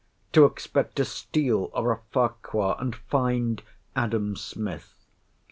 To expect a Steele, or a Farquhar, and find—Adam Smith.